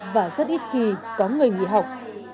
và rất ít khi có người nghỉ học